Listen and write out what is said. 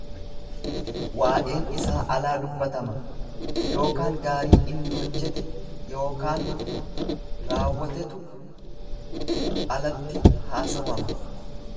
Waa'een isaa alaa dubbatama ykn gaarii inni hojjete ykn raawwatetu alatti haasawama.